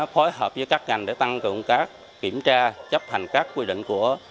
phối hợp với các ngành để tăng cường các kiểm tra chấp hành các quy định của